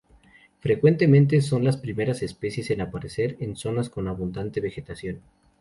Frecuentemente, son las primeras especies en aparecer en zonas con abundante vegetación.